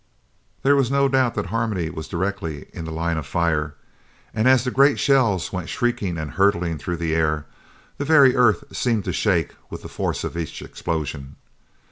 There was no doubt that Harmony was directly in the line of fire, and as the great shells went shrieking and hurtling through the air, the very earth seemed to shake with the force of each explosion.